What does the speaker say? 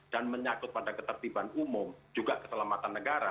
dan menyangkut pada ketertiban umum juga keselamatan negara